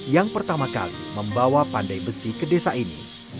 yang pertama kali membawa pandai pandai ke dunia